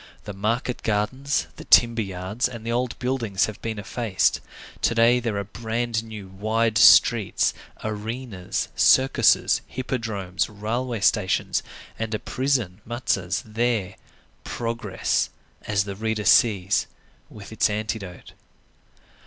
The market gardens, the timber yards, and the old buildings have been effaced. To day, there are brand new, wide streets, arenas, circuses, hippodromes, railway stations, and a prison, Mazas, there; progress, as the reader sees, with its antidote.